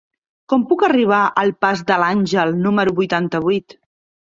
Com puc arribar al pas de l'Àngel número vuitanta-vuit?